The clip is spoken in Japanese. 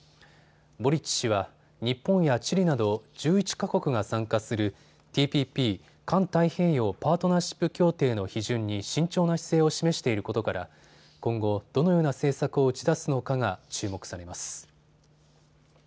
ボリッチ氏は日本やチリなど１１か国が参加するＴＰＰ・環太平洋パートナーシップ協定の批准に慎重な姿勢を示していることから今後、どのような政策を打ち出すのかが注目されます。